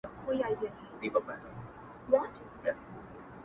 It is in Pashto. • زه دا نه وایم چي ,